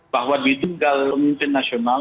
bahwa di tunggal pemimpin nasional